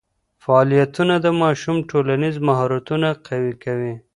فعالیتونه د ماشوم ټولنیز مهارتونه قوي کوي.